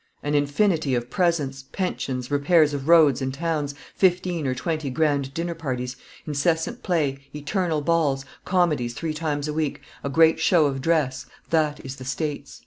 An infinity of presents, pensions, repairs of roads and towns, fifteen or twenty grand dinner parties, incessant play, eternal balls, comedies three times a week, a great show of dress, that is the States.